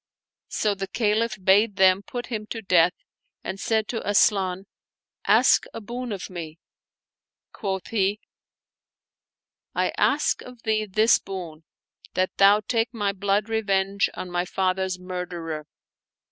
So the Caliph bade them put him to death, and said to Asian, " Ask a boon of me." Quoth he, " I ask of thee this boon, that thou take my blood revenge on my father's murderer."